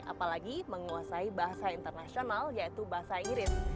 apalagi menguasai bahasa internasional yaitu bahasa iris